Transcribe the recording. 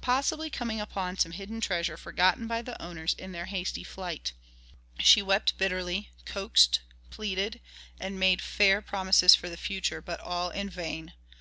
possibly coming upon some hidden treasure forgotten by the owners in their hasty flight. She wept bitterly, coaxed, pleaded, and made fair promises for the future, but all in vain.